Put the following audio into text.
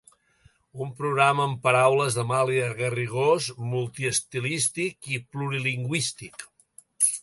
Un programa, en paraules d'Amàlia Garrigós, "multiestilístic i plurilingüístic".